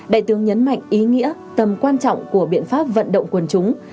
đại tướng nhấn mạnh ý nghĩa tầm quan trọng của biện pháp vận động quần chúng